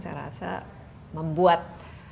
saya rasa membuat